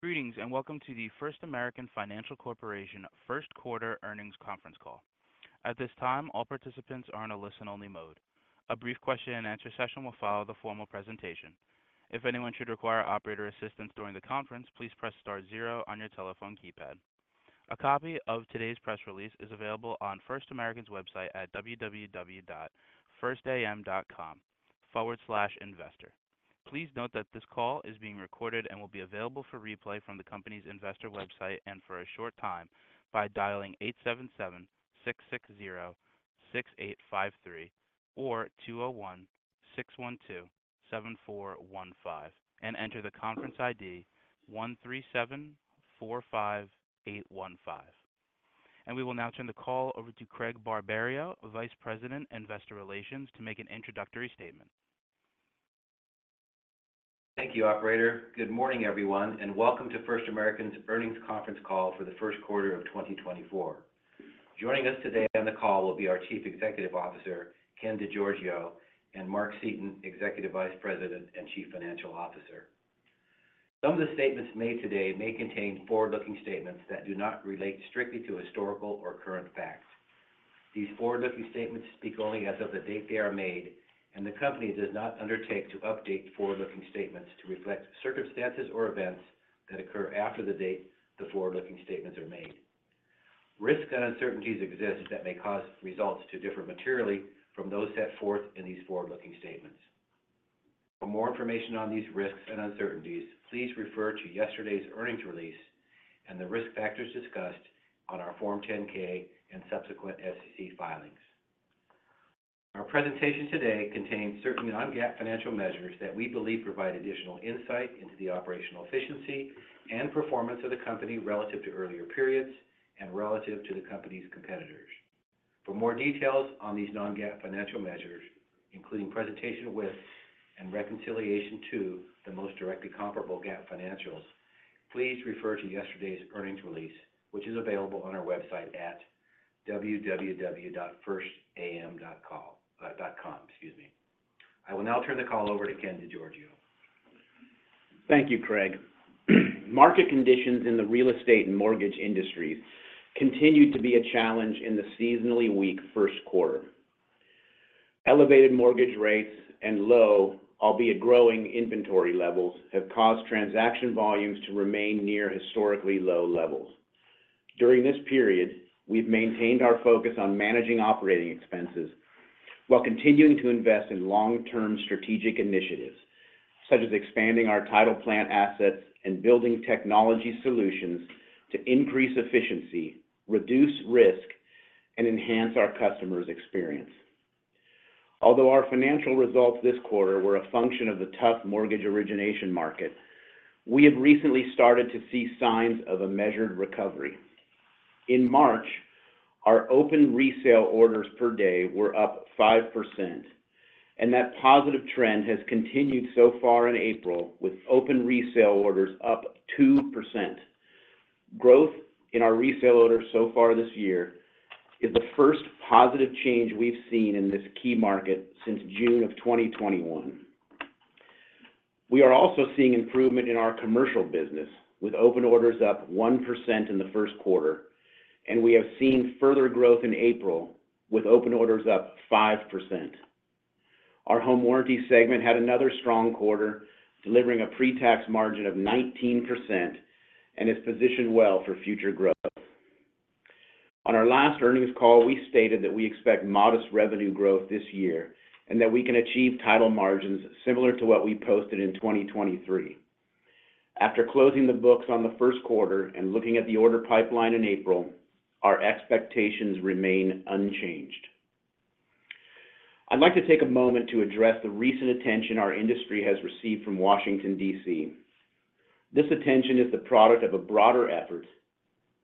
Greetings and welcome to the First American Financial Corporation first quarter earnings conference call. At this time, all participants are in a listen-only mode. A brief question-and-answer session will follow the formal presentation. If anyone should require operator assistance during the conference, please Press Star zero on your telephone keypad. A copy of today's press release is available on First American's website at www.firstam.com, forward slash investor. Please note that this call is being recorded and will be available for replay from the company's investor website and for a short time by dialing 877-660-6853 or 201-612-7415 and enter the conference ID 13745815. We will now turn the call over to Craig Barberio, Vice President, Investor Relations, to make an introductory statement. Thank you, operator. Good morning, everyone, and welcome to First American's earnings conference call for the first quarter of 2024. Joining us today on the call will be our Chief Executive Officer, Ken DeGiorgio, and Mark Seaton, Executive Vice President and Chief Financial Officer. Some of the statements made today may contain forward-looking statements that do not relate strictly to historical or current facts. These forward-looking statements speak only as of the date they are made, and the company does not undertake to update forward-looking statements to reflect circumstances or events that occur after the date the forward-looking statements are made. Risks and uncertainties exist that may cause results to differ materially from those set forth in these forward-looking statements. For more information on these risks and uncertainties, please refer to yesterday's earnings release and the risk factors discussed on our Form 10-K and subsequent SEC filings. Our presentation today contains certain non-GAAP financial measures that we believe provide additional insight into the operational efficiency and performance of the company relative to earlier periods and relative to the company's competitors. For more details on these non-GAAP financial measures, including presentation with and reconciliation to the most directly comparable GAAP financials, please refer to yesterday's earnings release, which is available on our website at www.firstam.com. Excuse me. I will now turn the call over to Ken DeGiorgio. Thank you, Craig. Market conditions in the real estate and mortgage industries continue to be a challenge in the seasonally weak first quarter. Elevated mortgage rates and low, albeit growing, inventory levels have caused transaction volumes to remain near historically low levels. During this period, we've maintained our focus on managing operating expenses while continuing to invest in long-term strategic initiatives such as expanding our title plant assets and building technology solutions to increase efficiency, reduce risk, and enhance our customers' experience. Although our financial results this quarter were a function of the tough mortgage origination market, we have recently started to see signs of a measured recovery. In March, our open resale orders per day were up 5%, and that positive trend has continued so far in April with open resale orders up 2%. Growth in our resale orders so far this year is the first positive change we've seen in this key market since June of 2021. We are also seeing improvement in our commercial business with open orders up 1% in the first quarter, and we have seen further growth in April with open orders up 5%. Our home warranty segment had another strong quarter, delivering a pretax margin of 19% and is positioned well for future growth. On our last earnings call, we stated that we expect modest revenue growth this year and that we can achieve title margins similar to what we posted in 2023. After closing the books on the first quarter and looking at the order pipeline in April, our expectations remain unchanged. I'd like to take a moment to address the recent attention our industry has received from Washington, D.C. This attention is the product of a broader effort,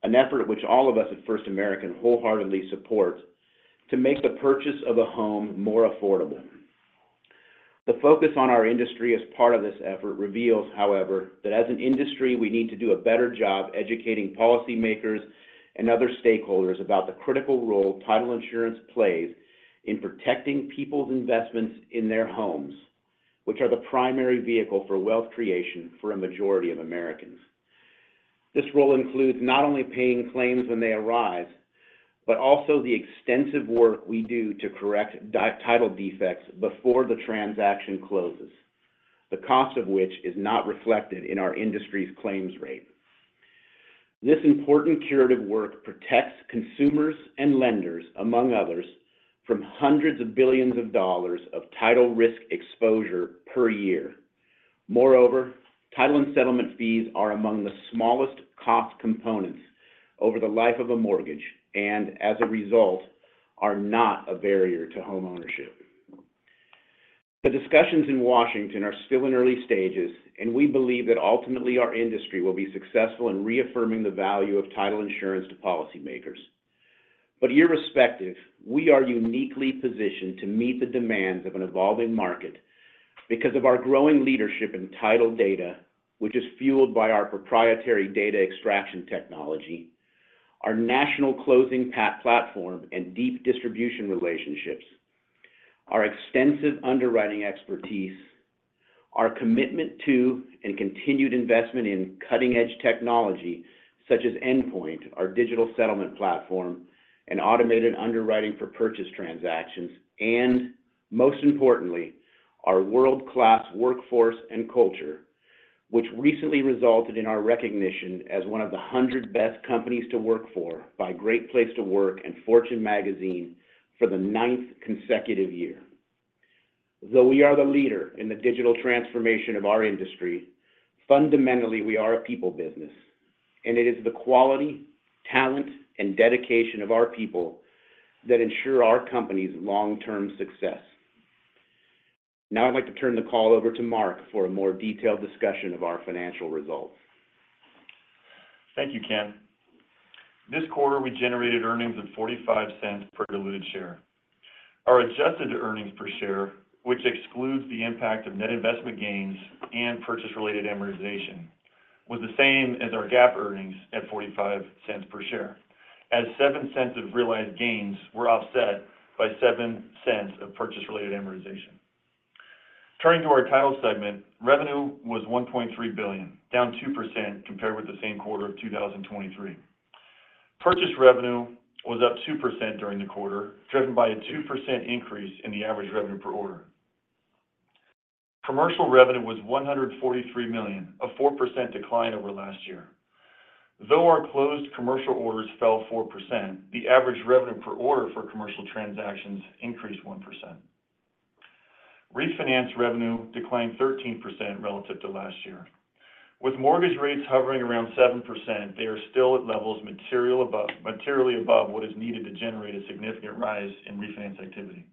an effort which all of us at First American wholeheartedly support, to make the purchase of a home more affordable. The focus on our industry as part of this effort reveals, however, that as an industry, we need to do a better job educating policymakers and other stakeholders about the critical role title insurance plays in protecting people's investments in their homes, which are the primary vehicle for wealth creation for a majority of Americans. This role includes not only paying claims when they arise but also the extensive work we do to correct title defects before the transaction closes, the cost of which is not reflected in our industry's claims rate. This important curative work protects consumers and lenders, among others, from $100 billions of title risk exposure per year. Moreover, title and settlement fees are among the smallest cost components over the life of a mortgage and, as a result, are not a barrier to home ownership. The discussions in Washington are still in early stages, and we believe that ultimately our industry will be successful in reaffirming the value of title insurance to policymakers. But irrespective, we are uniquely positioned to meet the demands of an evolving market because of our growing leadership in title data, which is fueled by our proprietary data extraction technology, our National Closing Platform and deep distribution relationships, our extensive underwriting expertise, our commitment to and continued investment in cutting-edge technology such as Endpoint, our digital settlement platform and automated underwriting for purchase transactions, and most importantly, our world-class workforce and culture, which recently resulted in our recognition as one of the 100 Best Companies to Work For by Great Place to Work and Fortune Magazine for the ninth consecutive year. Though we are the leader in the digital transformation of our industry, fundamentally we are a people business, and it is the quality, talent, and dedication of our people that ensure our company's long-term success. Now I'd like to turn the call over to Mark for a more detailed discussion of our financial results. Thank you, Ken. This quarter we generated earnings of $0.45 per diluted share. Our adjusted earnings per share, which excludes the impact of net investment gains and purchase-related amortization, was the same as our GAAP earnings at $0.45 per share, as $0.07 of realized gains were offset by $0.07 of purchase-related amortization. Turning to our title segment, revenue was $1.3 billion, down 2% compared with the same quarter of 2023. Purchase revenue was up 2% during the quarter, driven by a 2% increase in the average revenue per order. Commercial revenue was $143 million, a 4% decline over last year. Though our closed commercial orders fell 4%, the average revenue per order for commercial transactions increased 1%. Refinance revenue declined 13% relative to last year. With mortgage rates hovering around 7%, they are still at levels materially above what is needed to generate a significant rise in refinance activity.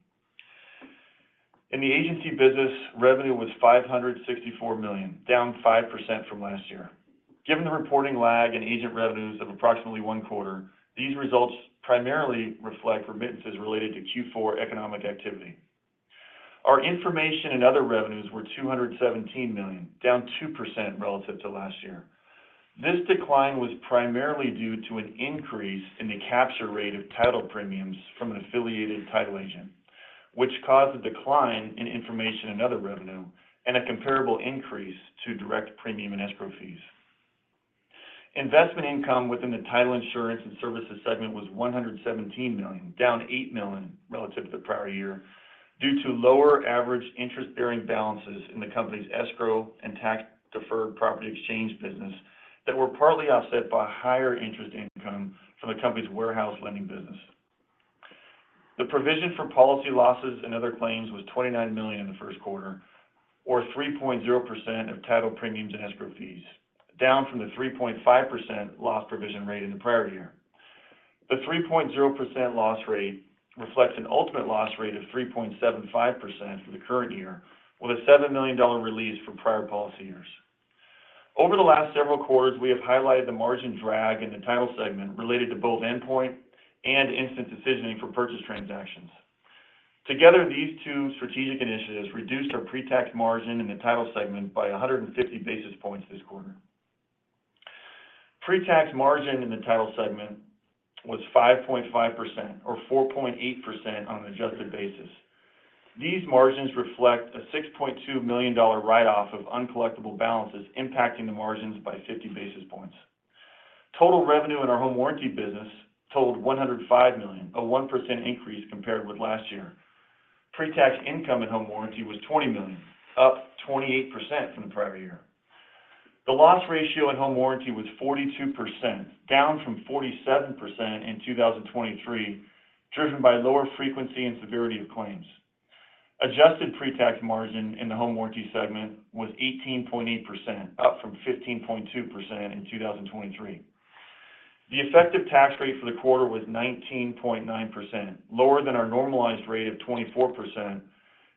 In the agency business, revenue was $564 million, down 5% from last year. Given the reporting lag in agent revenues of approximately one quarter, these results primarily reflect remittances related to Q4 economic activity. Our information and other revenues were $217 million, down 2% relative to last year. This decline was primarily due to an increase in the capture rate of title premiums from an affiliated title agent, which caused a decline in information and other revenue and a comparable increase to direct premium and escrow fees. Investment income within the title insurance and services segment was $117 million, down $8 million relative to the prior year, due to lower average interest-bearing balances in the company's escrow and tax-deferred property exchange business that were partly offset by higher interest income from the company's warehouse lending business. The provision for policy losses and other claims was $29 million in the first quarter, or 3.0% of title premiums and escrow fees, down from the 3.5% loss provision rate in the prior year. The 3.0% loss rate reflects an ultimate loss rate of 3.75% for the current year, with a $7 million release for prior policy years. Over the last several quarters, we have highlighted the margin drag in the title segment related to both Endpoint and instant decisioning for purchase transactions. Together, these two strategic initiatives reduced our pretax margin in the title segment by 150 basis points this quarter. Pretax margin in the title segment was 5.5%, or 4.8%, on an adjusted basis. These margins reflect a $6.2 million write-off of uncollectible balances impacting the margins by 50 basis points. Total revenue in our home warranty business totaled $105 million, a 1% increase compared with last year. Pretax income in home warranty was $20 million, up 28% from the prior year. The loss ratio in home warranty was 42%, down from 47% in 2023, driven by lower frequency and severity of claims. Adjusted pretax margin in the home warranty segment was 18.8%, up from 15.2% in 2023. The effective tax rate for the quarter was 19.9%, lower than our normalized rate of 24%,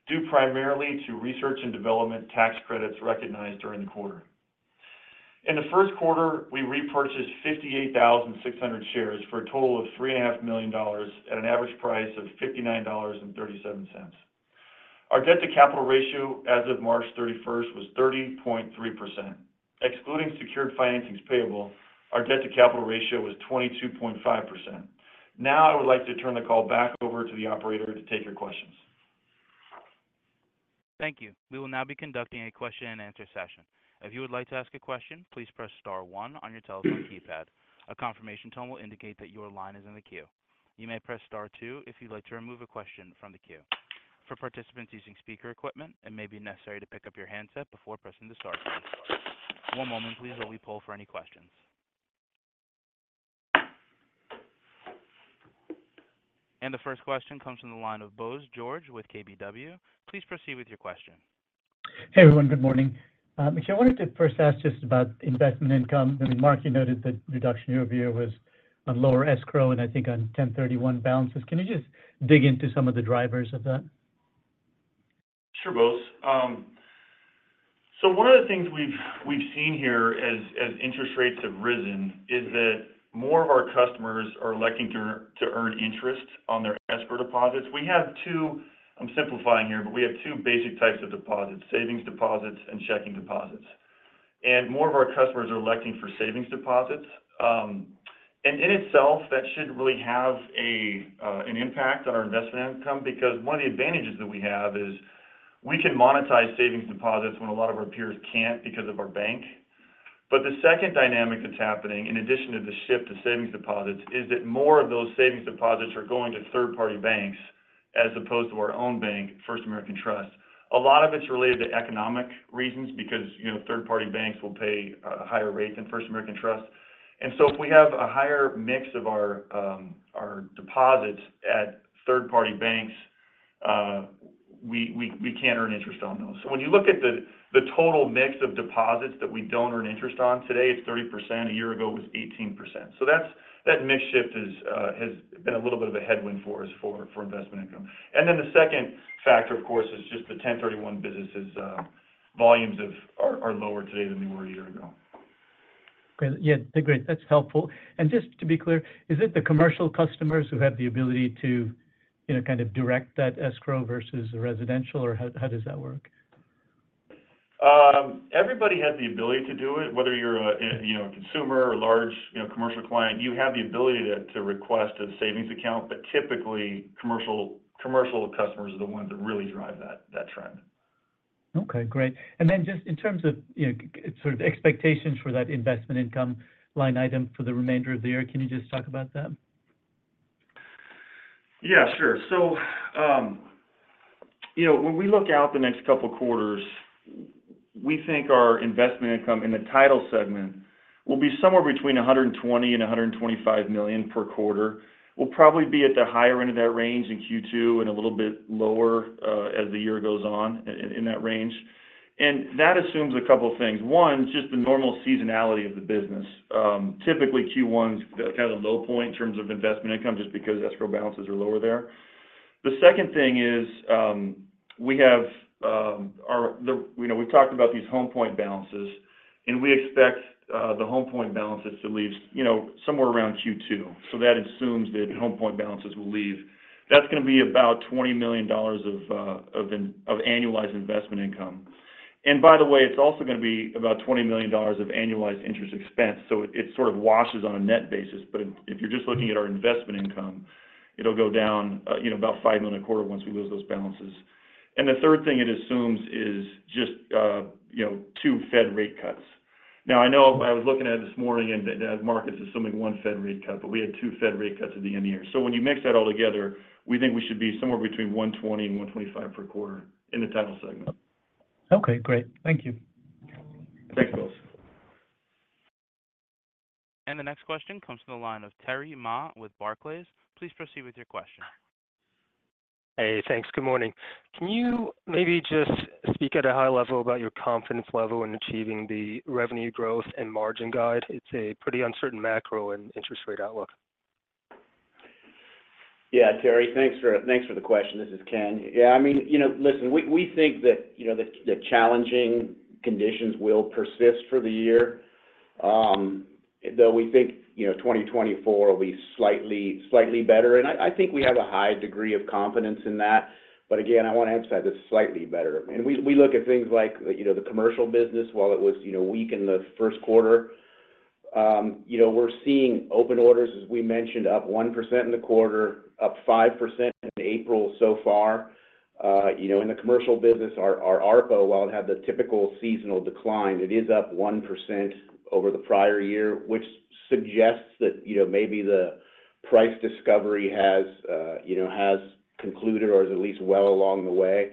due primarily to research and development tax credits recognized during the quarter. In the first quarter, we repurchased 58,600 shares for a total of $3.5 million at an average price of $59.37. Our debt to capital ratio as of March 31st was 30.3%. Excluding secured financings payable, our debt to capital ratio was 22.5%. Now I would like to turn the call back over to the operator to take your questions. Thank you. We will now be conducting a question-and-answer session. If you would like to ask a question, please Press Star one on your telephone keypad. A confirmation tone will indicate that your line is in the queue. You may Press Star two if you'd like to remove a question from the queue. For participants using speaker equipment, it may be necessary to pick up your handset before pressing the star key. One moment, please, while we pull for any questions. The first question comes from the line of Bose George with KBW. Please proceed with your question. Hey, everyone. Good morning. Michelle, I wanted to first ask just about investment income. I mean, Mark, you noted the reduction here year-over-year was on lower escrow and I think on 1031 balances. Can you just dig into some of the drivers of that? Sure, Bose. So one of the things we've seen here as interest rates have risen is that more of our customers are electing to earn interest on their escrow deposits. We have two. I'm simplifying here, but we have two basic types of deposits: savings deposits and checking deposits. And more of our customers are electing for savings deposits. In itself, that shouldn't really have an impact on our investment income because one of the advantages that we have is we can monetize savings deposits when a lot of our peers can't because of our bank. But the second dynamic that's happening, in addition to the shift to savings deposits, is that more of those savings deposits are going to third-party banks as opposed to our own bank, First American Trust. A lot of it's related to economic reasons because, you know, third-party banks will pay higher rates than First American Trust. And so if we have a higher mix of our deposits at third-party banks, we can't earn interest on those. So when you look at the total mix of deposits that we don't earn interest on today, it's 30%. A year ago it was 18%. So that's that mix shift has been a little bit of a headwind for us for investment income. And then the second factor, of course, is just the 1031 business's volumes are lower today than they were a year ago. Great. Yeah, that's great. That's helpful. Just to be clear, is it the commercial customers who have the ability to, you know, kind of direct that escrow versus the residential, or how, how does that work? Everybody has the ability to do it. Whether you're a, you know, consumer or a large, you know, commercial client, you have the ability to request a savings account. But typically, commercial customers are the ones that really drive that trend. Okay. Great. Then just in terms of, you know, sort of expectations for that investment income line item for the remainder of the year, can you just talk about that? Yeah, sure. So, you know, when we look to the next couple quarters, we think our investment income in the title segment will be somewhere between $120 million-$125 million per quarter. We'll probably be at the higher end of that range in Q2 and a little bit lower, as the year goes on, in that range. And that assumes a couple things. One, just the normal seasonality of the business. Typically Q1's the kind of the low point in terms of investment income just because escrow balances are lower there. The second thing is, we have our, you know, we've talked about these Home Point balances, and we expect the Home Point balances to leave, you know, somewhere around Q2. So that assumes that Home Point balances will leave. That's going to be about $20 million of annualized investment income. And by the way, it's also going to be about $20 million of annualized interest expense. So it sort of washes on a net basis. But if you're just looking at our investment income, it'll go down, you know, about $5 million a quarter once we lose those balances. And the third thing it assumes is just, you know, two Fed rate cuts. Now, I know I was looking at it this morning and that Mark is assuming one Fed rate cut, but we had two Fed rate cuts at the end of the year. So when you mix that all together, we think we should be somewhere between $120 and $125 per quarter in the title segment. Okay. Great. Thank you. Thanks, Bose. The next question comes from the line of Terry Ma with Barclays. Please proceed with your question. Hey, thanks. Good morning. Can you maybe just speak at a high level about your confidence level in achieving the revenue growth and margin guide? It's a pretty uncertain macro and interest rate outlook. Yeah, Terry. Thanks for the question. This is Ken. Yeah, I mean, you know, listen, we think that challenging conditions will persist for the year, though we think, you know, 2024 will be slightly better. And I think we have a high degree of confidence in that. But again, I want to emphasize it's slightly better. And we look at things like, you know, the commercial business, while it was, you know, weak in the first quarter, you know, we're seeing open orders, as we mentioned, up 1% in the quarter, up 5% in April so far. You know, in the commercial business, our, our ARPA, while it had the typical seasonal decline, it is up 1% over the prior year, which suggests that, you know, maybe the price discovery has, you know, has concluded or is at least well along the way.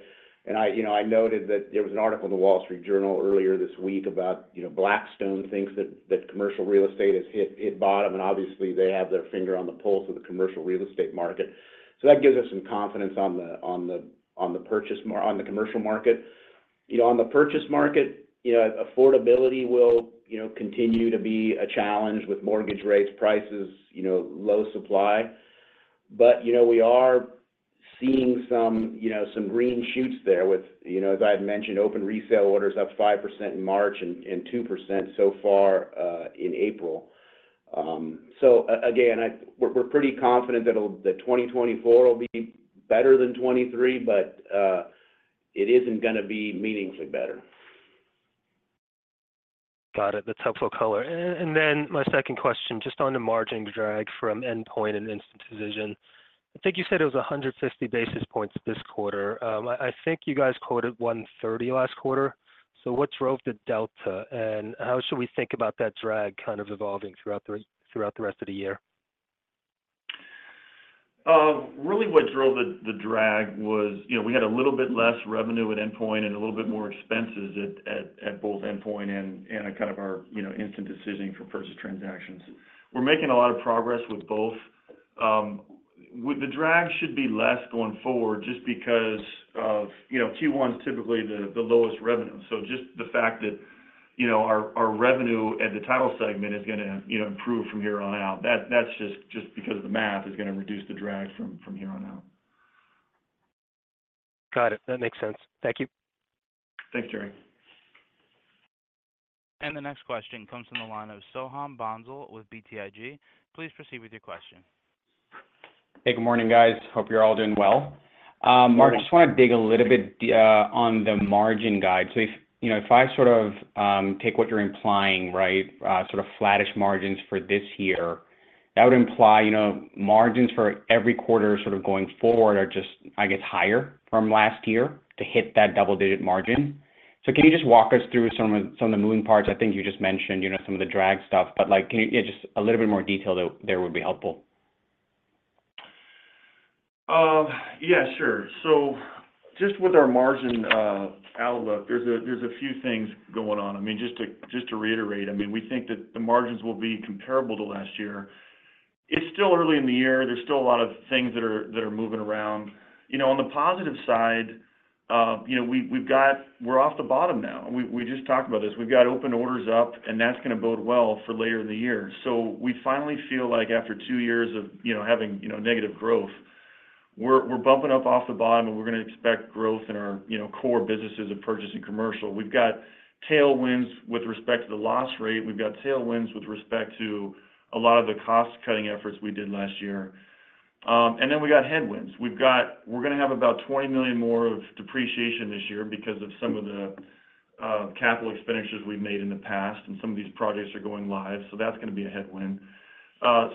And I, you know, I noted that there was an article in The Wall Street Journal earlier this week about, you know, Blackstone thinks that, that commercial real estate has hit, hit bottom. And obviously they have their finger on the pulse of the commercial real estate market. So that gives us some confidence on the on the on the purchase market on the commercial market. You know, on the purchase market, you know, affordability will, you know, continue to be a challenge with mortgage rates, prices, you know, low supply. But, you know, we are seeing some, you know, some green shoots there with, you know, as I had mentioned, open resale orders up 5% in March and 2% so far in April. So again, we're, we're pretty confident that'll 2024 will be better than 2023, but it isn't going to be meaningfully better. Got it. That's helpful color. And then my second question, just on the margin drag from Endpoint and instant decision. I think you said it was 150 basis points this quarter. I think you guys quoted 130 last quarter. So what drove the delta? And how should we think about that drag kind of evolving throughout the rest of the year? Really what drove the drag was, you know, we had a little bit less revenue at Endpoint and a little bit more expenses at both Endpoint and kind of our, you know, instant decisioning for purchase transactions. We're making a lot of progress with both. With the drag should be less going forward just because of, you know, Q1's typically the lowest revenue. So just the fact that, you know, our revenue at the title segment is going to, you know, improve from here on out, that's just because of the math is going to reduce the drag from here on out. Got it. That makes sense. Thank you. Thanks, Terry. The next question comes from the line of Soham Bhonsle with BTIG. Please proceed with your question. Hey, good morning, guys. Hope you're all doing well. Mark. Hey. I just want to dig a little bit deeper on the margin guide. So if, you know, if I sort of, take what you're implying, right, sort of flat-ish margins for this year, that would imply, you know, margins for every quarter sort of going forward are just, I guess, higher from last year to hit that double-digit margin. So can you just walk us through some of some of the moving parts? I think you just mentioned, you know, some of the drag stuff. But, like, can you yeah, just a little bit more detail there, there would be helpful. Yeah, sure. So just with our margin outlook, there's a few things going on. I mean, just to reiterate, I mean, we think that the margins will be comparable to last year. It's still early in the year. There's still a lot of things that are moving around. You know, on the positive side, you know, we've got, we're off the bottom now. We just talked about this. We've got open orders up, and that's going to bode well for later in the year. So we finally feel like after two years of, you know, having, you know, negative growth, we're bumping up off the bottom, and we're going to expect growth in our, you know, core businesses of purchase and commercial. We've got tailwinds with respect to the loss rate. We've got tailwinds with respect to a lot of the cost-cutting efforts we did last year. And then we got headwinds. We've got, we're going to have about $20 million more of depreciation this year because of some of the capital expenditures we've made in the past, and some of these projects are going live. So that's going to be a headwind.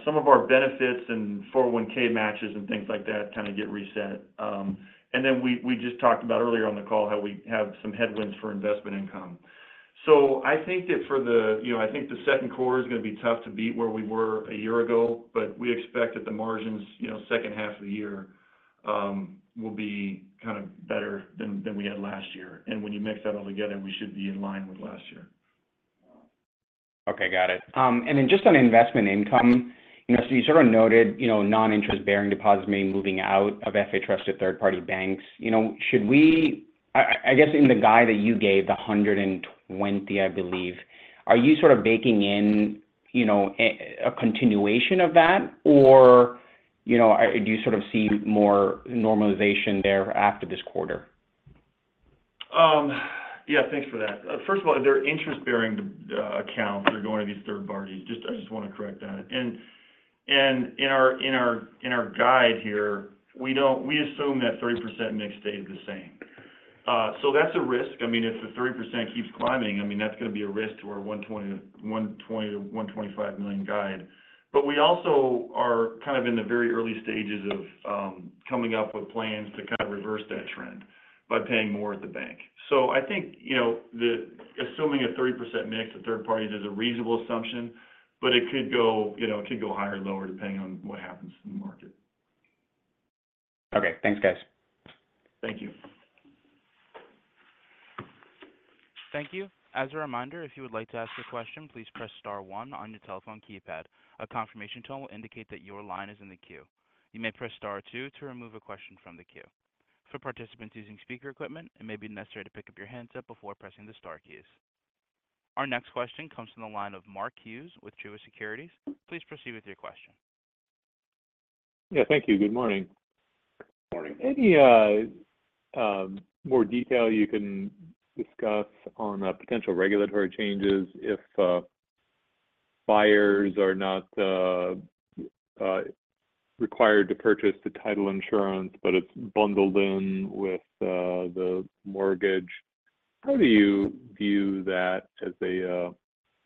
Some of our benefits and 401(k) matches and things like that kind of get reset. And then we just talked about earlier on the call how we have some headwinds for investment income. So I think that for the, you know, I think the second quarter is going to be tough to beat where we were a year ago. But we expect that the margins, you know, second half of the year, will be kind of better than we had last year. When you mix that all together, we should be in line with last year. Okay. Got it. And then just on investment income, you know, so you sort of noted, you know, non-interest-bearing deposits maybe moving out of FA Trust to third-party banks. You know, should we, I guess, in the guide that you gave, the $120, I believe, are you sort of baking in, you know, a continuation of that, or, you know, do you sort of see more normalization there after this quarter? Yeah, thanks for that. First of all, their interest-bearing accounts are going to these third parties. Just, I just want to correct that. And in our guide here, we assume that 30% mix stays the same. So that's a risk. I mean, if the 30% keeps climbing, I mean, that's going to be a risk to our $120 million-$125 million guide. But we also are kind of in the very early stages of coming up with plans to kind of reverse that trend by paying more at the bank. So I think, you know, the assuming a 30% mix of third parties is a reasonable assumption, but it could go, you know, it could go higher or lower depending on what happens in the market. Okay. Thanks, guys. Thank you. Thank you. As a reminder, if you would like to ask a question, please Press Star one on your telephone keypad. A confirmation tone will indicate that your line is in the queue. You may Press Star two to remove a question from the queue. For participants using speaker equipment, it may be necessary to pick up your handset before pressing the star keys. Our next question comes from the line of Mark Hughes with Truist Securities. Please proceed with your question. Yeah, thank you. Good morning. Good morning. Any more detail you can discuss on potential regulatory changes if buyers are not required to purchase the title insurance but it's bundled in with the mortgage? How do you view that as a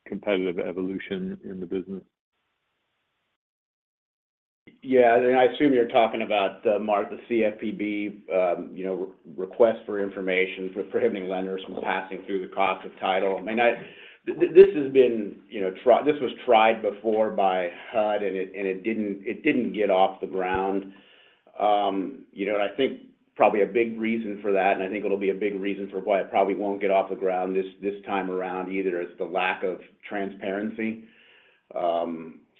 competitive evolution in the business? Yeah. And I assume you're talking about the markup the CFPB, you know, request for information for prohibiting lenders from passing through the cost of title. I mean, this has been, you know, tried. This was tried before by HUD, and it didn't get off the ground. You know, and I think probably a big reason for that, and I think it'll be a big reason for why it probably won't get off the ground this time around either, is the lack of transparency.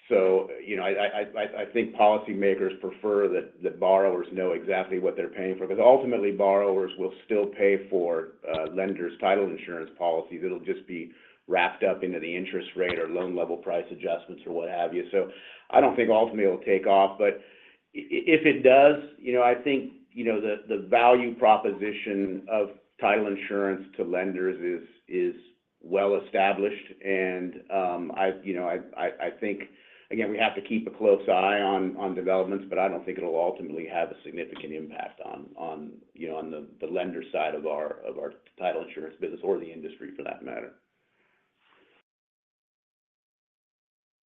So, you know, I think policymakers prefer that borrowers know exactly what they're paying for because ultimately borrowers will still pay for lenders' title insurance policies. It'll just be wrapped up into the interest rate or loan-level price adjustments or what have you. So I don't think ultimately it'll take off. But if it does, you know, I think, you know, the value proposition of title insurance to lenders is well-established. And, you know, I think again, we have to keep a close eye on developments, but I don't think it'll ultimately have a significant impact on, you know, on the lender side of our title insurance business or the industry for that matter.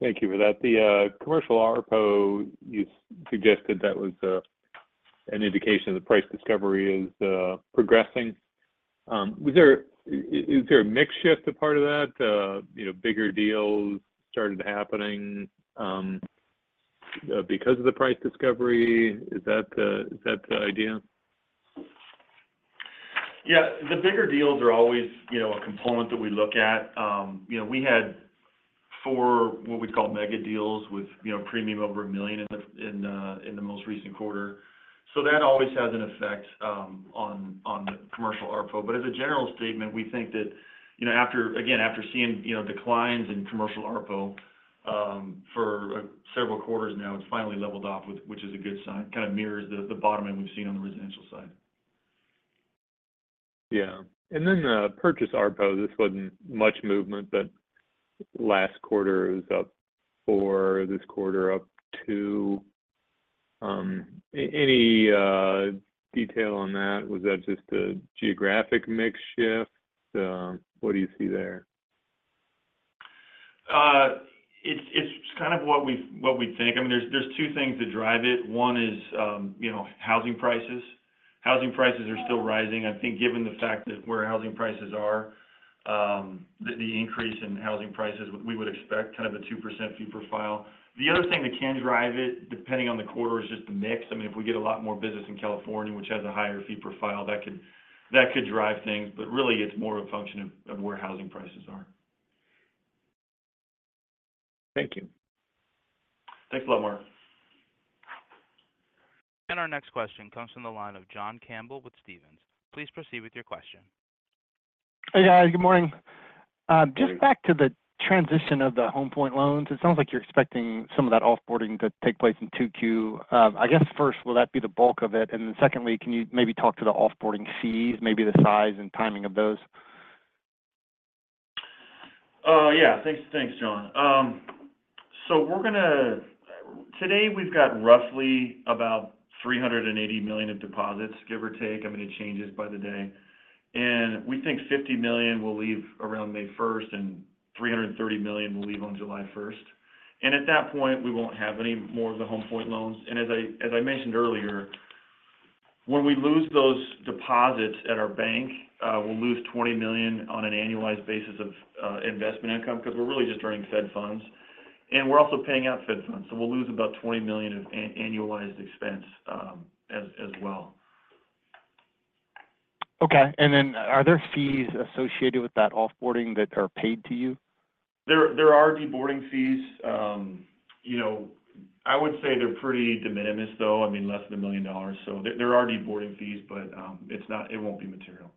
Thank you for that. The commercial ARPA, you suggested that was an indication that price discovery is progressing. Was there is there a mix shift a part of that? You know, bigger deals started happening because of the price discovery? Is that the idea? Yeah. The bigger deals are always, you know, a component that we look at. You know, we had four what we call mega deals with, you know, premium over $1 million in the most recent quarter. So that always has an effect on the commercial ARPA. But as a general statement, we think that, you know, after again, after seeing, you know, declines in commercial ARPA for several quarters now, it's finally leveled off, which is a good sign. Kind of mirrors the bottoming we've seen on the residential side. Yeah. And then the purchase ARPA, this wasn't much movement, but last quarter it was up four, this quarter up two. Any detail on that? Was that just a geographic mix shift? What do you see there? It's kind of what we think. I mean, there's two things that drive it. One is, you know, housing prices. Housing prices are still rising. I think given the fact that where housing prices are, the increase in housing prices, we would expect kind of a 2% fee profile. The other thing that can drive it, depending on the quarter, is just the mix. I mean, if we get a lot more business in California, which has a higher fee profile, that could drive things. But really it's more a function of where housing prices are. Thank you. Thanks a lot, Mark. And our next question comes from the line of John Campbell with Stephens. Please proceed with your question. Hey, guys. Good morning. Just back to the transition of the HomePoint loans, it sounds like you're expecting some of that offboarding to take place in Q2. I guess first, will that be the bulk of it? And then secondly, can you maybe talk to the offboarding fees, maybe the size and timing of those? Yeah. Thanks, thanks, John. So we're going to today we've got roughly about $380 million of deposits, give or take. I mean, it changes by the day. And we think $50 million will leave around May 1st, and $330 million will leave on July 1st. And at that point, we won't have any more of the HomePoint loans. And as I mentioned earlier, when we lose those deposits at our bank, we'll lose $20 million on an annualized basis of investment income because we're really just earning Fed funds. And we're also paying out Fed funds. So we'll lose about $20 million of annualized expense, as well. Okay. And then are there fees associated with that offboarding that are paid to you? There are deboarding fees, you know. I would say they're pretty de minimis, though. I mean, less than $1 million. So there are deboarding fees, but it's not. It won't be material.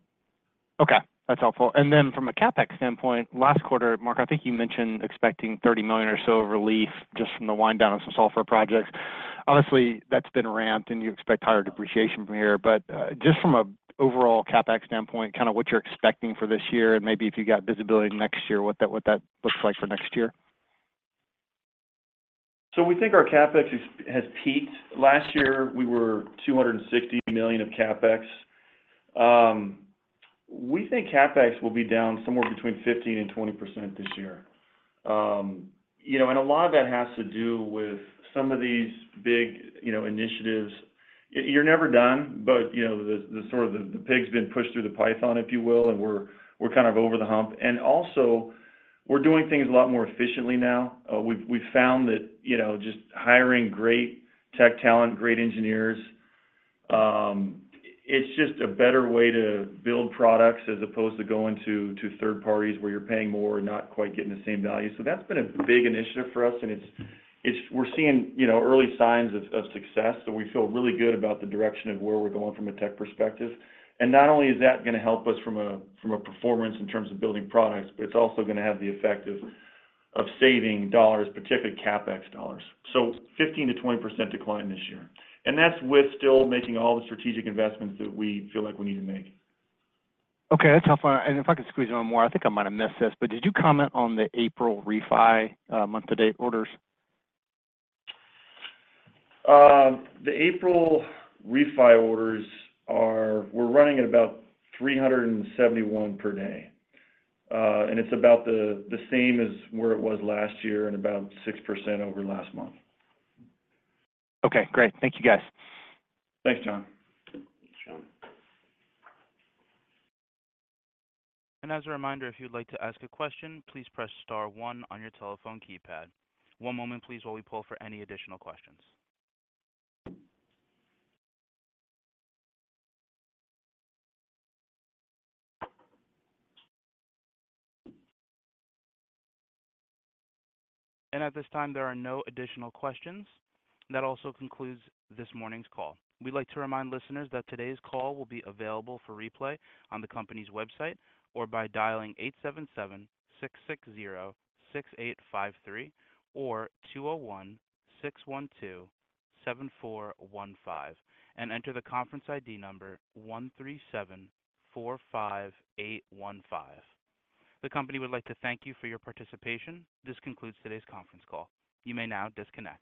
Okay. That's helpful. And then from a CapEx standpoint, last quarter, Mark, I think you mentioned expecting $30 million or so of relief just from the wind down of some software projects. Honestly, that's been ramped, and you expect higher depreciation from here. But, just from an overall CapEx standpoint, kind of what you're expecting for this year and maybe if you got visibility next year, what that looks like for next year? So we think our CapEx has peaked. Last year we were $260 million of CapEx. We think CapEx will be down somewhere between 15%-20% this year. You know, and a lot of that has to do with some of these big, you know, initiatives. You're never done, but you know, the sort of the pig's been pushed through the python, if you will, and we're kind of over the hump. And also we're doing things a lot more efficiently now. We've found that you know, just hiring great tech talent, great engineers, it's just a better way to build products as opposed to going to third parties where you're paying more and not quite getting the same value. So that's been a big initiative for us, and we're seeing you know, early signs of success. So we feel really good about the direction of where we're going from a tech perspective. And not only is that going to help us from a performance in terms of building products, but it's also going to have the effect of saving dollars, particularly CapEx dollars. So 15%-20% decline this year. And that's with still making all the strategic investments that we feel like we need to make. Okay. That's helpful. If I could squeeze in one more, I think I might have missed this, but did you comment on the April refi, month-to-date orders? The April refi orders are. We're running at about 371 per day. It's about the same as where it was last year and about 6% over last month. Okay. Great. Thank you, guys. Thanks, John. Thanks, John. As a reminder, if you'd like to ask a question, please Press Star one on your telephone keypad. One moment, please, while we pull for any additional questions. At this time, there are no additional questions. That also concludes this morning's call. We'd like to remind listeners that today's call will be available for replay on the company's website or by dialing 877-660-6853 or 201-612-7415 and enter the conference ID number 13745815. The company would like to thank you for your participation. This concludes today's conference call. You may now disconnect.